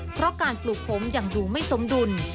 เพราะการปลูกผมยังดูไม่สมดุล